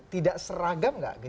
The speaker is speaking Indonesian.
tidak seragam gak gitu